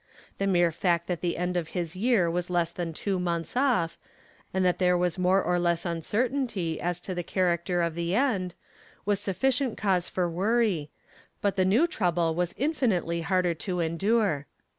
The mere fact that the end of his year was less than two months off, and that there was more or less uncertainty as to the character of the end, was sufficient cause for worry, but the new trouble was infinitely harder to endure.